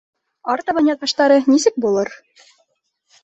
Артабан яҙмыштары нисек булыр?